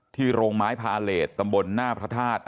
โรงไม้พาเลสตำบลหน้าพระธาตุ